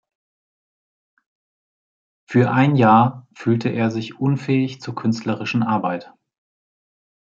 Für ein Jahr fühlte er sich unfähig zur künstlerischen Arbeit.